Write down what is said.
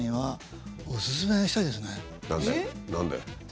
何で？